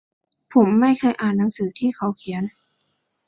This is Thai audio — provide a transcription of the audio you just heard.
ผมไม่เคยอ่านหนังสือที่เขาเขียน